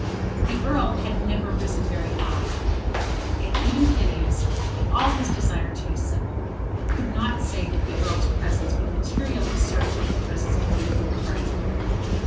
The Earl had never risen very high, and even Phineas, with all his desire to be civil, could not say that the Earl's presence would materially serve the interests of the Liberal party.